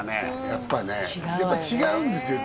やっぱねやっぱ違うんですよ